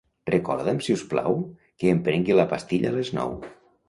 Recorda'm, si us plau, que em prengui la pastilla a les nou.